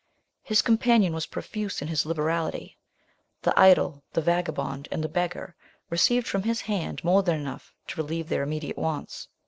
His companion was profuse in his liberality; the idle, the vagabond, and the beggar, received from his hand more than enough to relieve their immediate wants.